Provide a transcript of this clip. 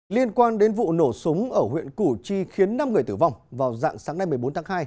liên quan đến vụ nổ súng ở huyện củ chi khiến năm người tử vong vào dạng sáng nay một mươi bốn tháng hai